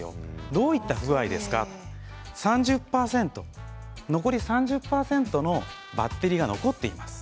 どういった具合ですか、残り３０％のバッテリーが残っています。